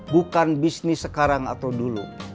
bukan bisnis sekarang atau dulu